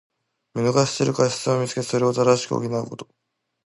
見逃している過失をみつけて、それを正し補うこと。